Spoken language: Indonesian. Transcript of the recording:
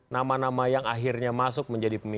nama nama yang akhirnya masuk menjadi pemimpin